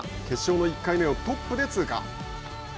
決勝の１回目をトップで通過。